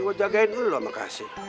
gue jagain dulu makasih